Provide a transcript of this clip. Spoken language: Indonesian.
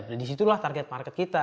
nah disitulah target market kita